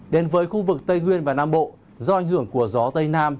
đến với khu vực tây nguyên và nam bộ do ảnh hưởng của gió tây nam